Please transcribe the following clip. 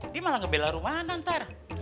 dia malah ngebelah rumahnya ntar